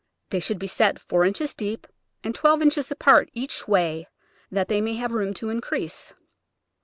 They should be set four inches deep and twelve inches apart each way, that they may have room to increase.